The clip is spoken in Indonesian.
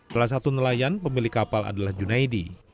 salah satu nelayan pemilik kapal adalah junaidi